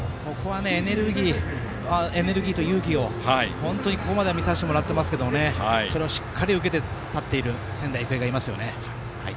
エネルギーと勇気をここまでは見させてもらってますがそれをしっかり受けて立っている仙台育英がいますよね。